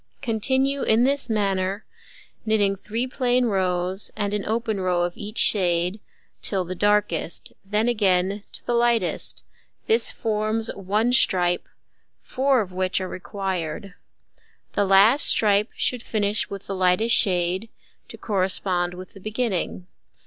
Continue in this manner, knitting 3 plain rows, and an open row of each shade, till the darkest; then again to the lightest: this forms 1 stripe, 4 of which are required. The last stripe should finish with the lightest shade, to correspond with the beginning.